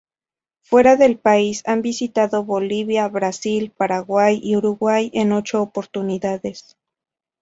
Fuera del país, han visitado Bolivia, Brasil, Paraguay y Uruguay en ocho oportunidades.